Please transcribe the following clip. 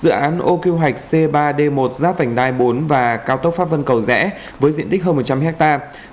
dự án o kêu hoạch c ba d một giáp vành đai bốn và cao tốc pháp vân cầu rẽ với diện tích hơn một trăm linh hectare